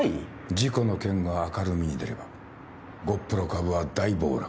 事故の件が明るみに出ればゴップロ株は大暴落